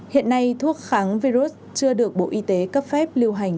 hiện nay thuốc kháng virus chưa được bộ y tế cấp phép lưu hành